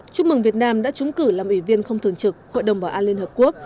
chúc mừng việt nam đã trúng cử làm ủy viên không thường trực hội đồng bảo an liên hợp quốc